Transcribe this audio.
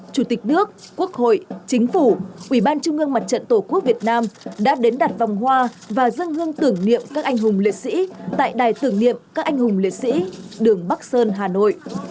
chủ tịch nước quốc hội chính phủ ủy ban trung ương mặt trận tổ quốc việt nam đã đến đặt vòng hoa và dân hương tưởng niệm các anh hùng liệt sĩ tại đài tưởng niệm các anh hùng liệt sĩ đường bắc sơn hà nội